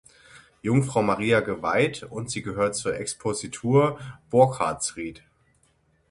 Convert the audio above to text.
Jungfrau Maria geweiht und sie gehört zur Expositur Burkhardsrieth.